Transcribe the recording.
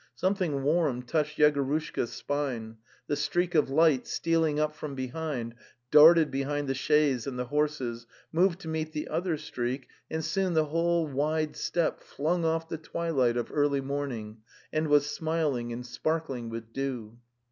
Something warm touched Yego rushka's spine; the streak of light, stealing up from behind, darted between the chaise and the horses, moved to meet the other streak, and soon the whole wide steppe flung off the twilight of early morning, and was smiling and sparkling with dew.